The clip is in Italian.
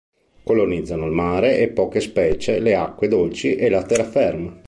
Colonizzano il mare e poche specie le acque dolci e la terraferma.